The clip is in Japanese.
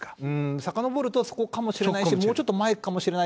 さかのぼるとそこかもしれないし、もうちょっと前かもしれない。